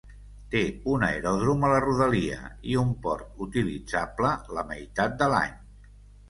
Té un aeròdrom a la rodalia i un port utilitzable la meitat de l'any.